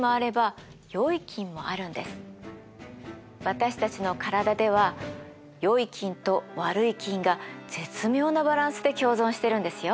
私たちの体ではよい菌と悪い菌が絶妙なバランスで共存してるんですよ。